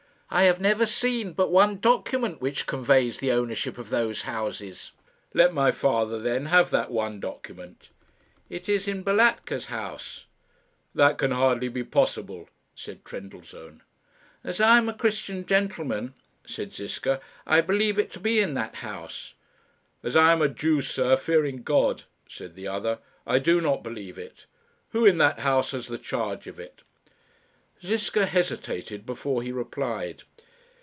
"I have never seen but one document which conveys the ownership of those houses." "Let my father, then, have that one document." "It is in Balatka's house." "That can hardly be possible," said Trendellsohn. "As I am a Christian gentleman," said Ziska, "I believe it to be in that house." "As I am a Jew, sir, fearing God," said the other, "I do not believe it. Who in that house has the charge of it?" Ziska hesitated before he replied.